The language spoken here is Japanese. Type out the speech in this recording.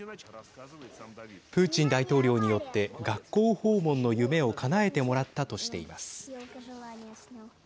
プーチン大統領によって学校訪問の夢をかなえてもらったとしています。